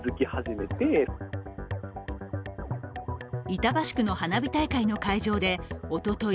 板橋区の花火大会の会場でおととい